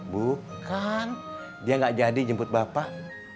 bukan dia gak jadi jemput bapak